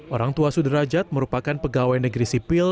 orang tua sudrajat merupakan pegawai negeri sipil